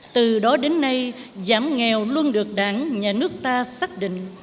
từ đó đến nay giảm nghèo luôn được đảng nhà nước ta xác định